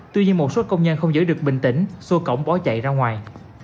tuy nhiên một số công nhân không giữ được bình tĩnh xô cổng bỏ chạy ra ngoài